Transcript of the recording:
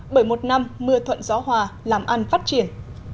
bởi một năm mưa thuận gió hòa làm ăn phát triển